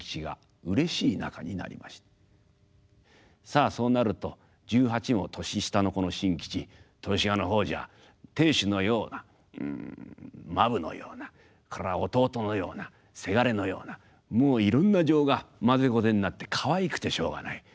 さあそうなると１８も年下のこの新吉豊志賀の方じゃ亭主のようなまぶのようなそれから弟のような伜のようなもういろんな情がまぜこぜになってかわいくてしょうがない。